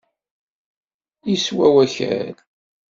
Yeswa wakal.